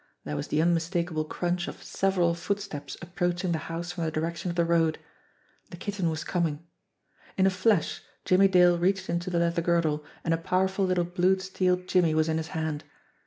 There was the unmistak able crunch of several footsteps approaching the house from the direction of the road. The Kitten was coming! In a flash Jimmie Dale reached into the leather girdle, and a powerful little blued steel jimmy was in his hand.